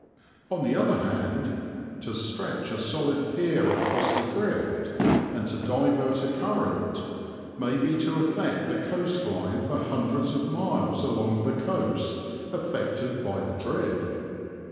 On the other hand, to stretch a solid pier across the drift, and to divert a current, may be to affect the coast line for hundreds of miles along the coast affected by the drift.